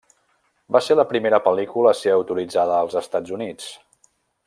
Va ser la primera pel·lícula a ser autoritzada als Estats Units.